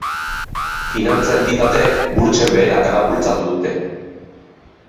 Finantza-entitateek burtsen beherakada bultzatu dute.